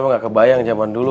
gua ga kebayang zaman dulu